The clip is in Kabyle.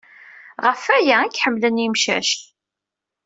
Ɣef waya ay k-ḥemmlen yemcac.